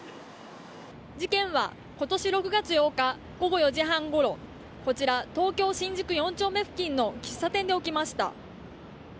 事件は今年６月８日午後４時半ごろ東京・新宿４丁目付近の喫茶店で起きました。